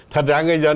thật ra người dân